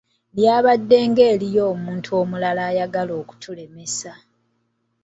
Lyabadde ng'ery'omuntu omulala ayagala okutulemesa.